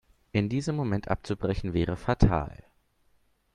In diesem Moment abzubrechen, wäre fatal.